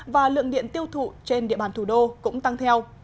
và lượng điện tiêu thụ trên địa bàn thủ đô cũng tăng theo